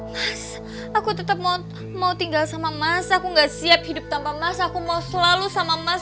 mas aku tetap mau tinggal sama mas aku gak siap hidup tanpa mas aku mau selalu sama mas